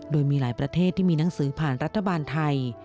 โดยมีหลายประเทศที่มีหนังสือผ่านรัฐบาลไทย